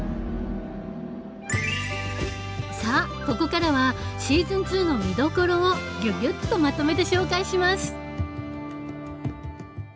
さあここからはシーズン２の見どころをギュギュッとまとめて紹介します。